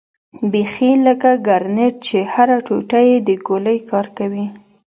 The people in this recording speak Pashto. بيخي لکه ګرنېټ چې هره ټوټه يې د ګولۍ کار کوي.